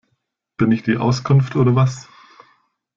Bin ich die Auskunft oder was?